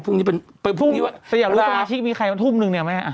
พรุ่งนี้เป็นปรุ่งนี้ฮะแต่อยากรู้ว่าต้องเช่นนี้มีใครทุ่มหนึ่งเนี่ยไหม